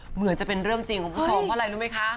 เหมือนจะเป็นเรื่องจริงของผู้ชม